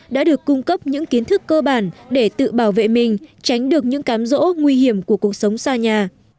đã được cung cấp những kiến thức cơ bản để tự bảo vệ mình tránh được những cám rỗ nguy hiểm của cuộc sống xa nhà